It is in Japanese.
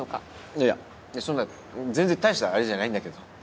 いやそんな全然大したあれじゃないんだけど。